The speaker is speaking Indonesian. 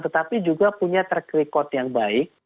tetapi juga punya track record yang baik